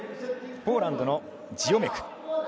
ポーランドのジオメク。